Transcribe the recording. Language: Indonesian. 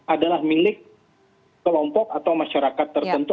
adalah milik kelompok atau masyarakat tertentu